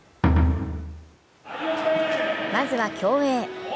まずは競泳。